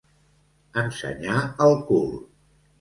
Ensenyar el cul.